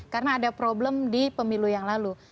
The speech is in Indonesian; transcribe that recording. karena ada problem di pemilu yang lalu